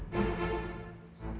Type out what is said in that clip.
dia memeluk foto afif